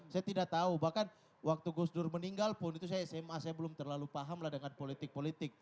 saya tidak tahu bahkan waktu gus dur meninggal pun itu saya sma saya belum terlalu paham lah dengan politik politik